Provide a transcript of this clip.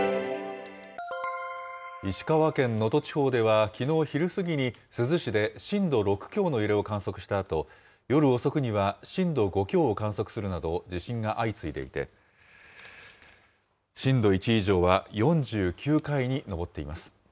石川県能登地方では、きのう昼過ぎに珠洲市で震度６強の揺れを観測したあと、夜遅くには震度５強を観測するなど、地震が相次いでいて、震度１以上は４９回に上っています。